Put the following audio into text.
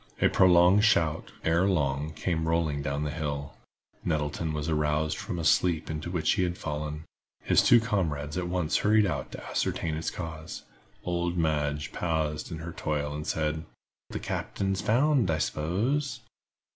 A prolonged shout, ere long, came rolling down the hill. Nettleton was aroused from a sleep into which he had fallen. His two comrades at once hurried out to ascertain its cause. Old Madge paused in her toil and said: "The captain's found, I s'pose."